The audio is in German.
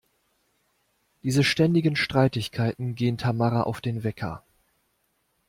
Diese ständigen Streitigkeiten gehen Tamara auf den Wecker.